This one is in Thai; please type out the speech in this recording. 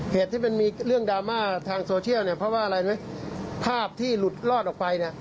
เหตุที่มันมีเรื่องดามาตรงเชิงเนี่ยเพราะว่าภาพที่รดลอดออกไปเนี่ย